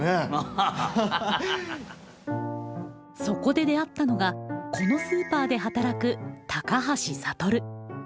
そこで出会ったのがこのスーパーで働く高橋羽。